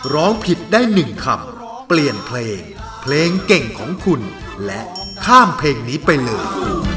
ร้องผิดได้๑คำเปลี่ยนเพลงเพลงเก่งของคุณและข้ามเพลงนี้ไปเลย